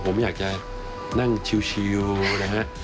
ผมอยากจะนั่งชิวนะฮะ